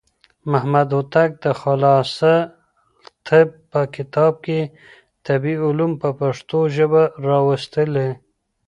محمد هوتک د خلاصة الطب په کتاب کې طبي علوم په پښتو ژبه راوستلي.